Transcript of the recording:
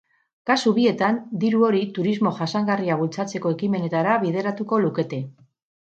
Kasu bietan diru hori turismo jasangarria bultzatzeko ekimenetara bideratuko lukete.